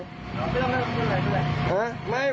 ไม่ต้องบอกเลยครับ